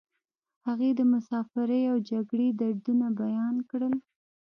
هغې د مسافرۍ او جګړې دردونه بیان کړل